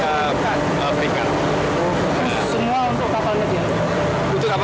semua untuk kapalnya dia